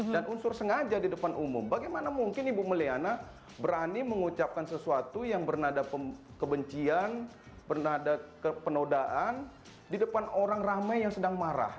dan unsur sengaja di depan umum bagaimana mungkin ibu may liana berani mengucapkan sesuatu yang bernada kebencian bernada penodaan di depan orang ramai yang sedang marah